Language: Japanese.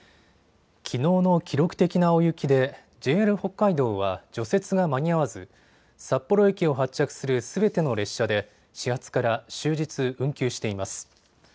きのうの記録的な大雪でＪＲ北海道は除雪が間に合わず札幌駅を発着するすべての列車で始発から終日、運休しています。